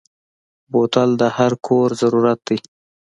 بوتل د هر کور ضرورت دی.